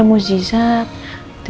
aku juga mau